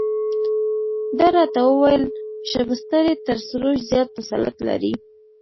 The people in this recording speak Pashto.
ده راته وویل شبستري تر سروش زیات تسلط لري.